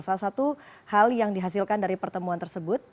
salah satu hal yang dihasilkan dari pertemuan tersebut